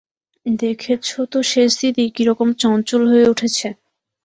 দেখছ তো সেজদিদি কিরকম চঞ্চল হয়ে উঠেছে।